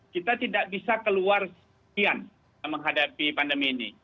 kita tidak bisa keluar sekian menghadapi pandemi ini